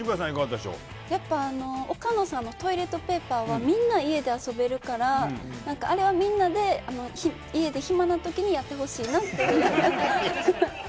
岡野さんのトイレットペーパーはみんな家で遊べるからあれはみんなで家で暇なときにやってほしいなって。